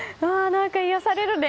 癒やされるね。